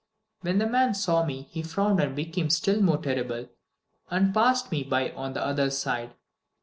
When the man saw me he frowned and became still more terrible, and passed me by on the other side.